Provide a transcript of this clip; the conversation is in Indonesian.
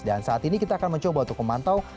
dan saat ini kita akan mencoba untuk memantau